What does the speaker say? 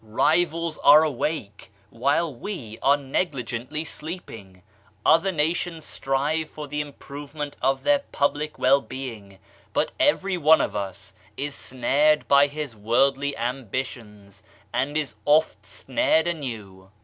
Rivals are awake, while we are negligently sleepingl Other nations strive for the improve ment of their public well being, but every one of us is snared by his worldly ambitions, and "is oft snared anew."